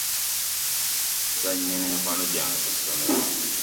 Nzanya ne mikwano gyange ku ssomero.